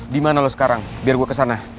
dimana lo sekarang biar gue kesana